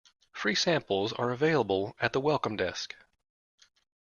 Free samples are available at the Welcome Desk.